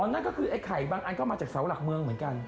นั่นก็คือไอ้ไข่บางอันก็มาจากเสาหลักเมืองเหมือนกัน